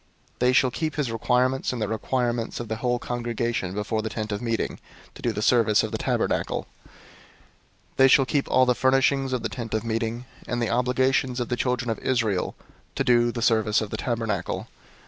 003:007 They shall keep his charge, and the charge of the whole congregation before the Tent of Meeting, to do the service of the tabernacle. 003:008 They shall keep all the furnishings of the Tent of Meeting, and the obligations of the children of Israel, to do the service of the tabernacle.